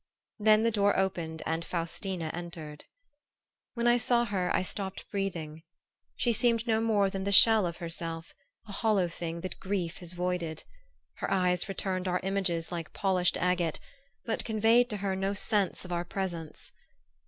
Then the door opened and Faustina entered. When I saw her I stopped breathing. She seemed no more than the shell of herself, a hollow thing that grief has voided. Her eyes returned our images like polished agate, but conveyed to her no sense of our presence.